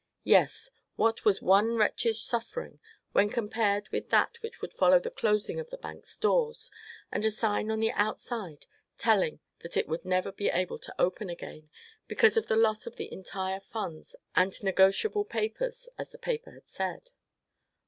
Yes, what was one wretch's suffering when compared with that which would follow the closing of the bank's doors, and a sign on the outside telling that it would never be able to open again, because of the loss of the entire funds, and negotiable papers, as the paper had said.